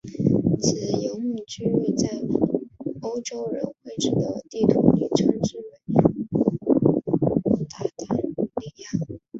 其游牧区域在欧洲人绘制的地图里称之为鞑靼利亚。